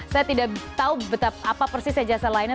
saya tidak tahu betapa persis jasa lainnya